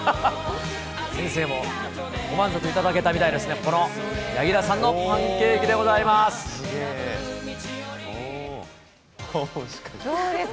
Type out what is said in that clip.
先生もご満足いただけたみたいですね、この柳楽さんのパンケーキでございます。